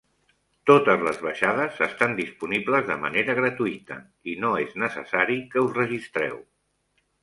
Totes les baixades estan disponibles de manera gratuïta i no és necessari que us registreu.